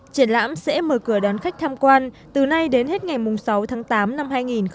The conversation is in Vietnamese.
triển lãm sẽ mở cửa đón khách tham quan từ nay đến hết ngày sáu tháng tám năm hai nghìn hai mươi